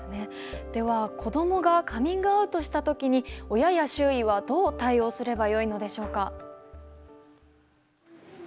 では子どもがカミングアウトした時に親や周囲はどう対応すればよいのでしょうか。